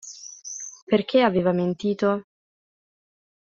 Perché aveva mentito?